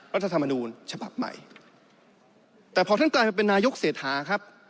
รัฐธรรมนูญฉบับใหม่แต่พอท่านกลายมาเป็นนายกเศรษฐาครับ